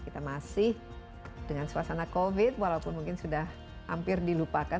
kita masih dengan suasana covid walaupun mungkin sudah hampir dilupakan